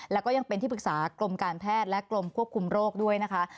แล้วก็ยังเป็นที่ปรึกษากรมการแพทย์และกรมควบคุมโรคด้วยนะคะ